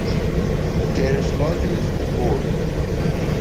Their slogan is "The Word".